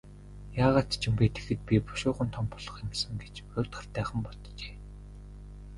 Яагаад ч юм бэ, тэгэхэд би бушуухан том болох юм сан гэж уйтгартайхан боджээ.